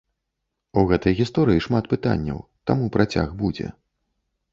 У гэтай гісторыі шмат пытанняў, таму працяг будзе.